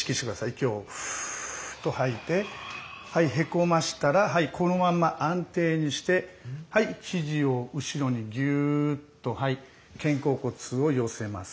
息をふっと吐いてはいへこましたらこのまんま安定にして肘を後ろにギューッと肩甲骨を寄せます。